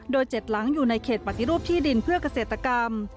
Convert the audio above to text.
โดย๗หลังอยู่ในเขตปฏิรูปที่ดินเพื่อเกษตรกรรม